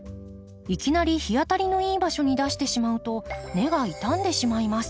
いきなり日当たりのいい場所に出してしまうと根が傷んでしまいます。